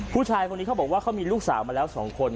ผู้ชายคนนี้เขาบอกว่าเขามีลูกสาวมาแล้ว๒คน